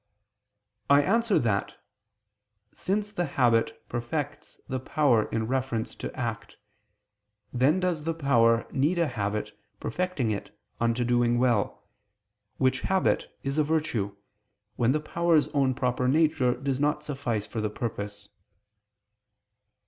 I answer that, Since the habit perfects the power in reference to act, then does the power need a habit perfecting it unto doing well, which habit is a virtue, when the power's own proper nature does not suffice for the purpose.